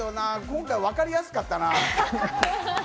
今回、わかりやすかったな。